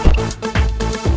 terus ingin saya ketemu